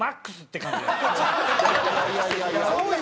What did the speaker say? いやいやいやいや。